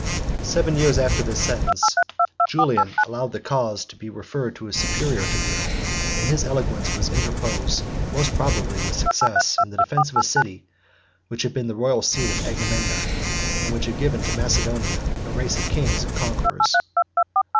Seven years after this sentence, Julian 79 allowed the cause to be referred to a superior tribunal; and his eloquence was interposed, most probably with success, in the defence of a city, which had been the royal seat of Agamemnon, 80 and had given to Macedonia a race of kings and conquerors.